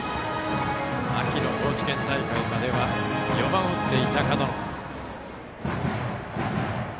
秋の高知県大会までは４番を打っていた門野。